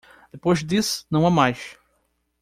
Depois disso, não há mais